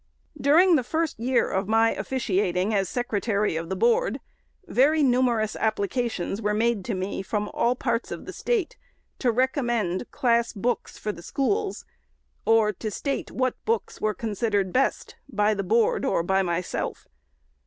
During the first year of my officiating as Secretary of the Board, very numerous applications were made to me. from almost all parts of the State, to recommend class books for the schools, or to state what books were consid ered best by the Board, or by myself.